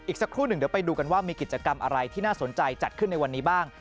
สักครู่หนึ่งเดี๋ยวไปดูกันว่ามีกิจกรรมอะไรที่น่าสนใจจัดขึ้นในวันนี้บ้าง